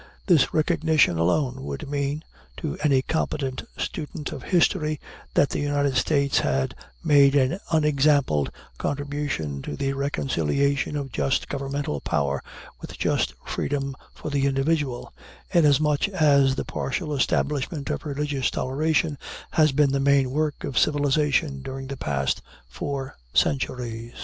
This recognition alone would mean, to any competent student of history, that the United States had made an unexampled contribution to the reconciliation of just governmental power with just freedom for the individual, inasmuch as the partial establishment of religious toleration has been the main work of civilization during the past four centuries.